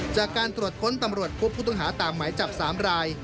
จากการตรวจค้นตำรวจพุทธงศาสตร์ตามหมายจับ๓ราย